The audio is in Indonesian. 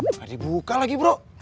nggak dibuka lagi bro